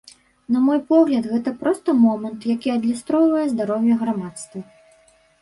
На мой погляд, гэта проста момант, які адлюстроўвае здароўе грамадства.